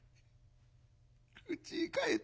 うちへ帰ってくる。